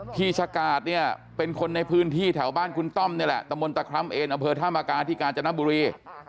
ชะกาดเนี่ยเป็นคนในพื้นที่แถวบ้านคุณต้อมนี่แหละตะมนตะคร้ำเอนอำเภอธามกาที่กาญจนบุรี